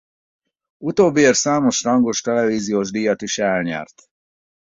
Utóbbiért számos rangos televíziós díjat is elnyert.